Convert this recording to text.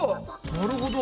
なるほど。